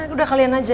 udah kalian aja